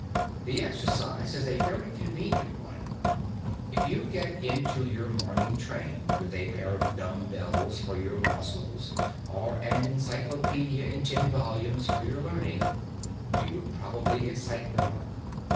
The exercise is a very convenient one. If you got into your morning train with a pair of dumb bells for your muscles or an encyclopaedia in ten volumes for your learning, you would probably excite remark.